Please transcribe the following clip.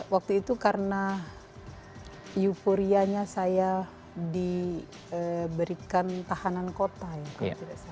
waktu itu karena euforianya saya diberikan tahanan kota ya kalau tidak salah